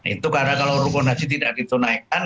itu karena kalau rukun haji tidak ditunaikan